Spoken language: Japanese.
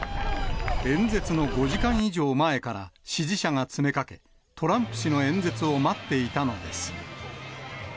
演説の５時間以上前から支持者が詰めかけ、トランプ氏の演説を待っていたのです。